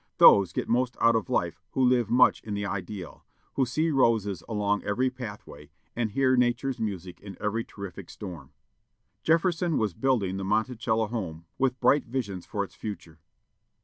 Those get most out of life who live much in the ideal; who see roses along every pathway, and hear Nature's music in every terrific storm. Jefferson was building the Monticello home with bright visions for its future.